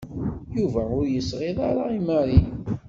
Yuba ur yesɣid ara i Mary.